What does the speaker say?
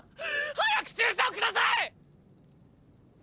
早く注射を下さい！！